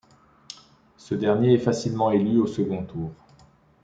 Ce dernier est facilement élu au second tour.